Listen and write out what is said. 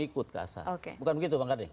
ikut kasar bukan begitu bang kadek